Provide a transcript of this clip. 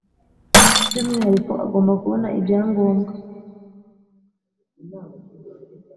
by umwihariko agomba kubona ibyangombwa